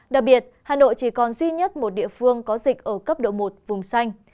đặc biệt hà nội chỉ còn duy nhất một địa phương có dịch ở cấp độ một vùng xanh